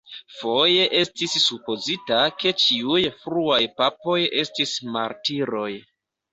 Foje estis supozita ke ĉiuj fruaj papoj estis martiroj.